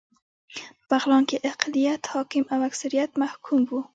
په بغلان کې اقليت حاکم او اکثريت محکوم و